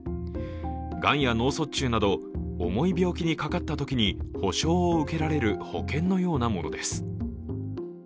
がんや脳卒中など重い病気にかかったときに保障を受けられる保険のようなものです。